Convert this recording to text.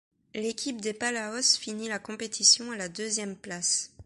L'équipe des Palaos finit la compétition à la deuxième place.